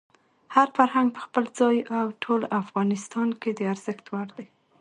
هر فرهنګ په خپل ځای او ټول افغانستان کې د ارزښت وړ دی.